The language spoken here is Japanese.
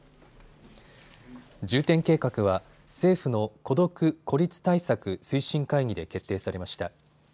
重点計画は政府の孤独・孤立対策推進会議で決定されました。